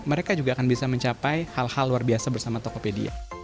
mereka juga akan bisa mencapai hal hal luar biasa bersama tokopedia